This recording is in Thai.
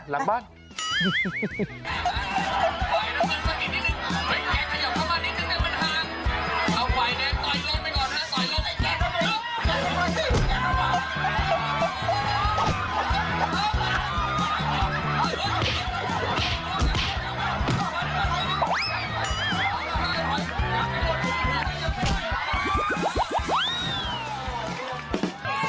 ช่างเข้ามาล่ะเหมาะ